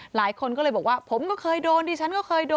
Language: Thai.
หลายคนก็เลยบอกว่าผมก็เคยโดนดิฉันก็เคยโดน